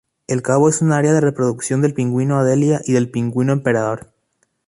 El cabo es un área de reproducción del pingüino adelia y del pingüino emperador.